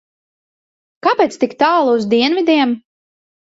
Kāpēc tik tālu uz dienvidiem?